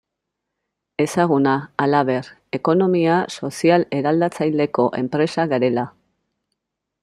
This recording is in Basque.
Ezaguna, halaber, ekonomia sozial eraldatzaileko enpresa garela.